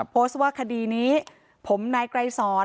โพสต์ว่าคดีนี้ผมนายไกรสอน